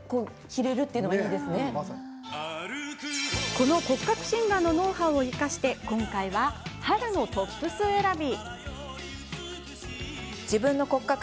この骨格診断のノウハウを生かして今回は、春のトップス選び。